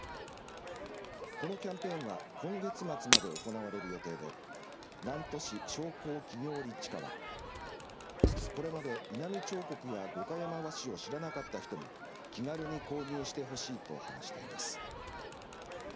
このキャンペーンは今月末まで行われる予定で南砺市商工企業立地課はこれまで井波彫刻や五箇山和紙を知らなかった人も気軽に購入してほしいと話しています。